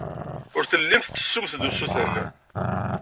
Ur tellimt tettessumt-d usuten.